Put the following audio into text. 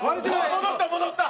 戻った戻った！